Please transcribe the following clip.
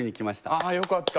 ああよかった！